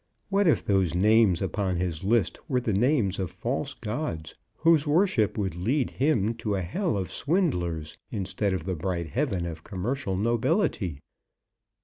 What if those names upon his list were the names of false gods, whose worship would lead him to a hell of swindlers instead of the bright heaven of commercial nobility!